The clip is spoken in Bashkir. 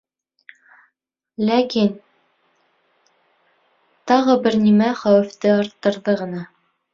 Ләкин... тағы бер нимә хәүефте арттырҙы ғына.